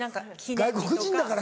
「外国人だから」